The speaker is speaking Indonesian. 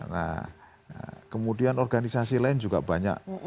nah kemudian organisasi lain juga banyak